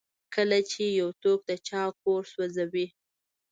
کله چې یو څوک د چا کور سوځوي.